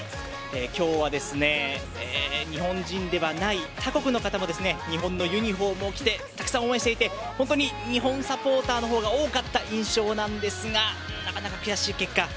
今日は日本人ではない他国の方も日本のユニホームを着てたくさん応援していて本当に日本サポーターの方が多かった印象なんですがなかなか悔しい結果。